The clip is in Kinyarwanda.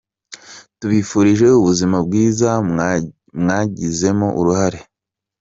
Tubifurije ubuzima bwiza, mwagizemo uruhare !.